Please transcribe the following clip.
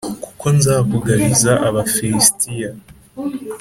kuko nzakugabiza Abafilisitiya.”